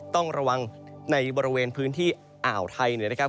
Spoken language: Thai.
ต้องระวังในบริเวณพื้นที่อ่าวไทยเนี่ยนะครับ